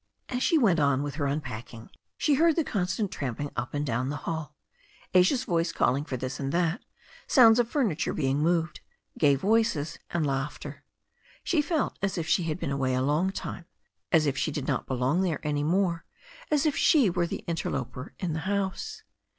As she went on with her unpacking she heard the con stant tramping up and down the hall, Asia's voice calling for this and that, sounds of furniture being moved, gay voices and laughter. She felt as if she had been away a long time, as if she did not belong there any more, as if she were an interloper in the house.